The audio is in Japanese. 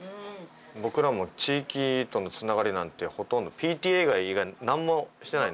僕らも地域とのつながりなんてほとんどＰＴＡ以外何もしてないよね。